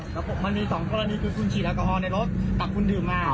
มันมีสองกรณีคือคุณฉีดแอลกอฮอล์ในรถปรับคุณดื่มมา